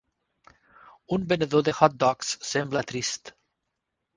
Un venedor de hot dogs sembla trist